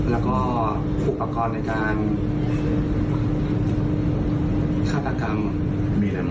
แล้วก็อุปกรณ์ในการฆาตกรรม